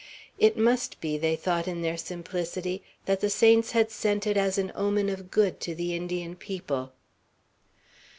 It must be, they thought in their simplicity, that the saints had sent it as an omen of good to the Indian people.